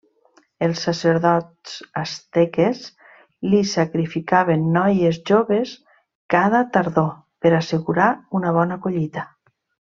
Els sacerdots asteques li sacrificaven noies joves cada tardor per assegurar una bona collita.